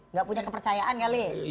nggak punya kepercayaan kali